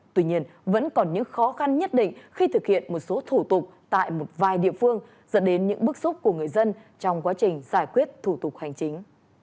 tuy nhiên vẫn còn những khó khăn nhất định khi thực hiện một số thủ tục tại một vài địa phương dẫn đến những bức xúc của người dân trong quá trình giải quyết thủ tục hành chính